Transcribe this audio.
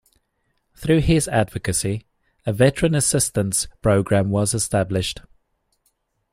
Through his advocacy, a veteran assistance program was established.